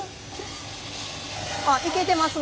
あっいけてますね。